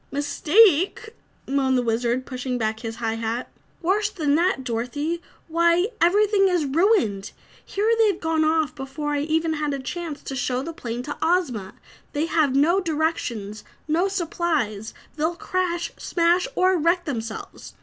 "Mistake!" moaned the Wizard, pushing back his high hat. "Worse than that, Dorothy! Why, everything is ruined! Here they've gone off before I even had a chance to show the plane to Ozma. They have no directions, no supplies; they'll crash, smash or wreck themselves.